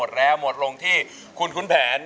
ตัวไหนก็อ้วน